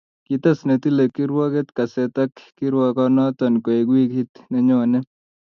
Kites ne tile kirwoket kaset ak kirwokanoto koek wikit nenyonei